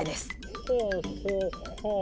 ほうほうほぅ。